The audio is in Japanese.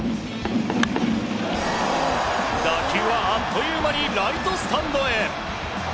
打球はあっという間にライトスタンドへ。